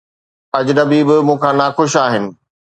اجنبي به مون کان ناخوش آهن